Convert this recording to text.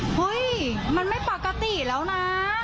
เฮ้ยมันไม่ปกติแล้วนะ